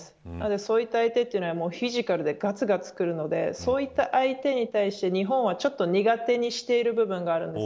そういった相手はフィジカルでがつがつくるのでそういった相手に対して日本は苦手にしている部分があるんです。